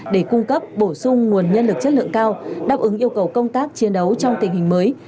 để cung cấp bổ sung nguồn nhân lực chất lượng cao đáp ứng yêu cầu công tác chiến đấu trong tình hình mới